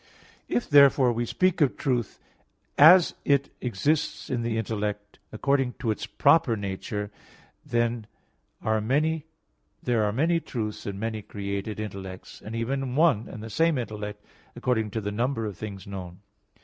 If therefore we speak of truth, as it exists in the intellect, according to its proper nature, then are there many truths in many created intellects; and even in one and the same intellect, according to the number of things known.